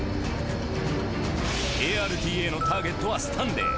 ＡＲＴＡのターゲットはスタンレー。